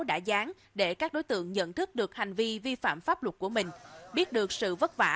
đã dán để các đối tượng nhận thức được hành vi vi phạm pháp luật của mình biết được sự vất vả